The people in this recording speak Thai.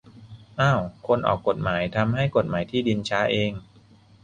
อ้าว ! คนออกกฎหมายทำให้กฎหมายที่ดินช้าเอง ?